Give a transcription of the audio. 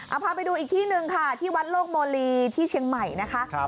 เอาพาไปดูอีกที่หนึ่งค่ะที่วัดโลกโมลีที่เชียงใหม่นะคะ